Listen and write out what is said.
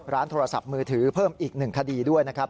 ร้านโทรศัพท์มือถือเพิ่มอีกหนึ่งคดีด้วยนะครับ